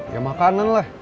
ya makanan lah